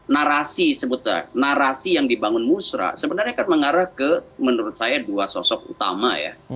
narasi sebutnya narasi yang dibangun musrah sebenarnya kan mengarah ke menurut saya dua sosok utama ya